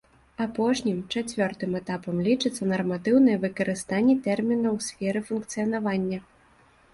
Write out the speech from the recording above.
Апошнім, чацвёртым этапам лічыцца нарматыўнае выкарыстанне тэрміна ў сферы функцыянавання.